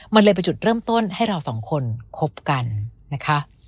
มันเลยเป็นจุดเริ่มต้นให้เราสองคนคบกันนะคะ